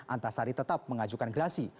antasari tetap mengajukan gerasi